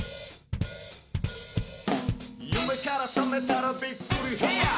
「夢からさめたらびっくりヘアー」